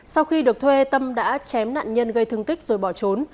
sau khi được thuê tâm đã chém nạn nhân gây thương tích rồi bỏ trốn